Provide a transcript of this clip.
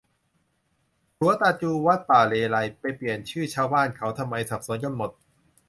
ขรัวตาจู วัดป่าเลไลย ไปเปลี่ยนชื่อชาวบ้านเขาทำไม สับสนกันไปหมด